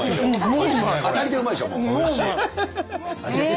当たりでうまいでしょ。